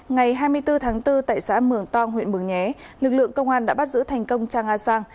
ngày hai mươi bốn tháng bốn tại xã mường tong huyện mường nhé lực lượng công an đã bắt giữ thành công trang a sang